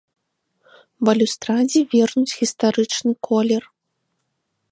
Балюстрадзе вернуць гістарычны колер.